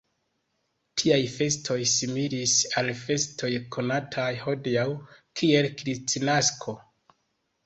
Tiaj festoj similis al la festoj konataj hodiaŭ kiel Kristnasko.